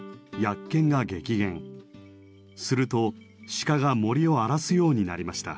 するとシカが森を荒らすようになりました。